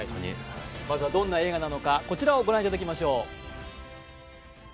まずはどんな映画なのかこちらをご覧いただきましょう。